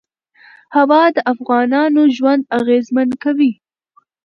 هوا د افغانانو ژوند اغېزمن کوي.